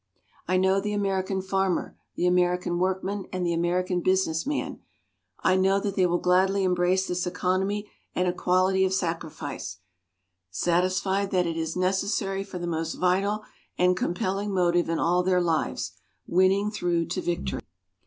I know the American farmer, the American workman, and the American businessman. I know that they will gladly embrace this economy and equality of sacrifice, satisfied that it is necessary for the most vital and compelling motive in all their lives winning through to victory.